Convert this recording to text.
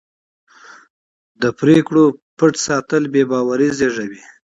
د پرېکړو پټ ساتل بې باوري زېږوي